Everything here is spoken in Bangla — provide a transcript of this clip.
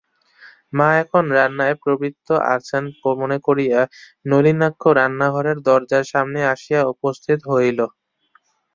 মা এখন রান্নায় প্রবৃত্ত আছেন মনে করিয়া নলিনাক্ষ রান্নাঘরের দরজার সামনে আসিয়া উপস্থিত হইল।